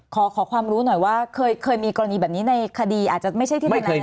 ขอความรู้หน่อยว่าเคยมีกรณีแบบนี้ในคดีอาจจะไม่ใช่ที่ใด